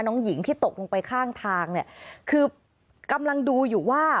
น้องหญิงที่ตกลงไปข้างทางเนี่ยคือกำลังดูอยู่ว่า